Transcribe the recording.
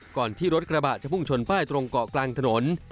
ก่อนที่รถกระบะจะพุ่งชนป้ายตรงเกาะกลางถนน